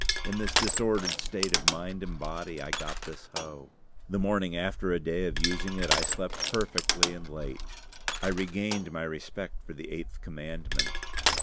In this disordered state of mind and body I got this hoe. The morning after a day of using it I slept perfectly and late. I regained my respect for the Eighth Commandment.